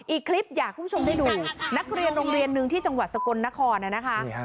อีกคลิปอยากให้คุณผู้ชมได้ดูนักเรียนโรงเรียนหนึ่งที่จังหวัดสกลนครนะคะ